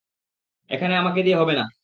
এখানে আমাকে দিয়ে হবে নাহ।